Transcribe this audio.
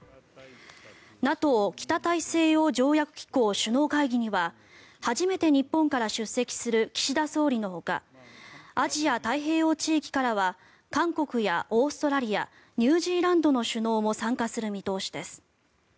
ＮＡＴＯ・北大西洋条約機構首脳会議には初めて日本から出席する岸田総理のほかアジア太平洋地域からは韓国やオーストラリアニュージーランドの首脳も参加する見通しです。